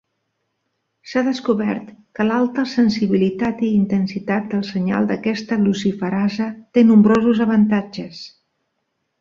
S’ha descobert que l’alta sensibilitat i intensitat del senyal d’aquesta luciferasa té nombrosos avantatges.